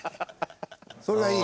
それがいい？